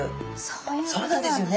そうなんですよね。